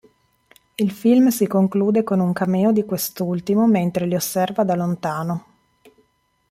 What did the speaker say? Il film si conclude con un cameo di quest'ultimo mentre li osserva da lontano.